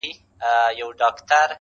د ژوندون ساه د ژوند وږمه ماته كړه.